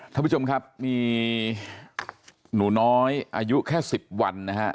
ท่านผู้ชมครับมีหนูน้อยอายุแค่๑๐วันนะฮะ